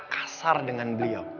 tak kasar dengan beliau